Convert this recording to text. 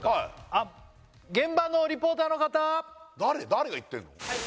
誰が行ってるの？